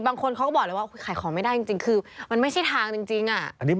บางคนเขาก็บอกเลยว่าขายของไม่ได้จริงคือมันไม่ใช่ทางจริง